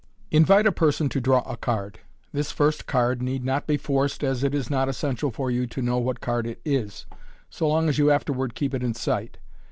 — Invite a person to draw a card. This first card need not be forced, as it is not essential for you to know what card it is, so long as you afterward keep it in sight.